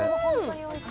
おいしい。